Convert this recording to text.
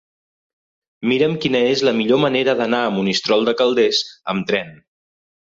Mira'm quina és la millor manera d'anar a Monistrol de Calders amb tren.